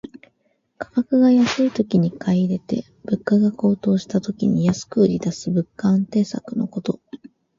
価格が安いときに買い入れて、物価が高騰した時に安く売りだす物価安定策のこと。